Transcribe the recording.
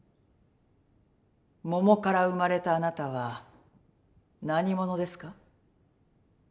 桃から生まれたあなたは何者ですか？